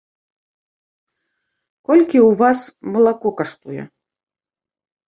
Колькі ў вас малако каштуе?